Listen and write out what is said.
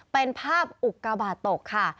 เป็นภาพอุกกาบาทตกค่ะ